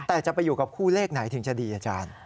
แต่จะไปอยู่กับคู่เลขไหนถึงจะดีอาจารย์